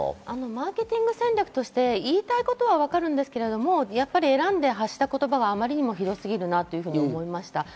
マーケティング戦略として言いたいことはわかるんですけれども、選んで発した言葉は余りにもひどすぎるなと思いました。